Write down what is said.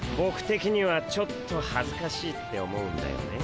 てきにはちょっとはずかしいって思うんだよね。